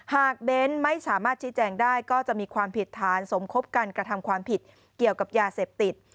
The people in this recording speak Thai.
เบ้นไม่สามารถชี้แจงได้ก็จะมีความผิดฐานสมคบกันกระทำความผิดเกี่ยวกับยาเสพติด